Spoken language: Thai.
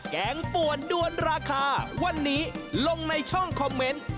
แกงป่วนด้วนราคาวันนี้ลงในช่องคอมเมนต์